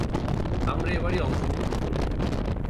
আমরা এবারই অংশগ্রহণ করবো!